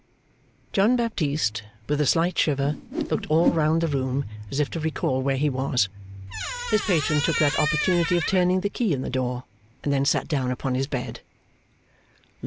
John Baptist, with a slight shiver, looked all round the room as if to recall where he was. His patron took that opportunity of turning the key in the door, and then sat down upon his bed.